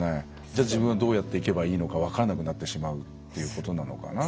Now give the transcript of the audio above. じゃあ自分はどうやっていけばいいのか分からなくなってしまうっていうことなのかな？